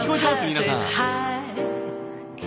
皆さん。